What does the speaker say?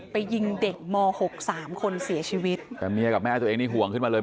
ไปยิงเด็กมหกสามคนเสียชีวิตแต่เมียกับแม่ตัวเองนี่ห่วงขึ้นมาเลย